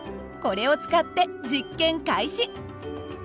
これを使って実験開始。